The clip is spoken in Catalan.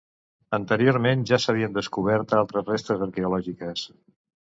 Anteriorment ja s'havien descobert altres restes arqueològiques.